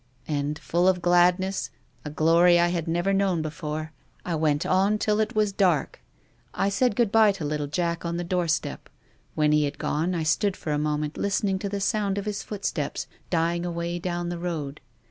" And, full of gladness, a glory I had never known before, I went on till it was dark. I said good bye to little Jack on the doorstep. When he had gone, I stood for a moment listening to the sound of his footsteps dying away down the road.